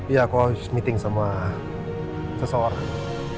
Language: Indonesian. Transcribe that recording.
iya aku meeting sama seseorang